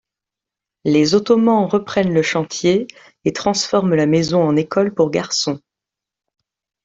Les Ottomans reprennent le chantier, et transforment la maison en école pour garçons.